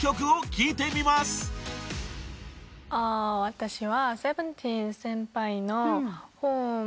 私は。